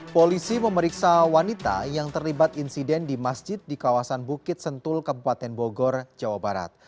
polisi memeriksa wanita yang terlibat insiden di masjid di kawasan bukit sentul kabupaten bogor jawa barat